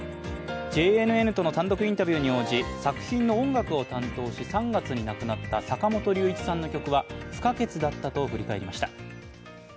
ＪＮＮとの単独インタビューに応じ、作品の音楽を担当し３月に亡くなった坂本龍一さんの曲は不可欠だったと振り返りました。